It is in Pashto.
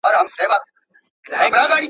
خو ذهنونه نه ارامېږي هېڅکله.